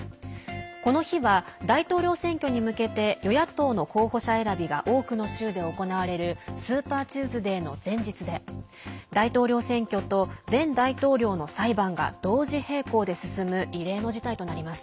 この日は、大統領選挙に向けて与野党の候補者選びが多くの州で行われるスーパーチューズデーの前日で大統領選挙と前大統領の裁判が同時並行で進む異例の事態となります。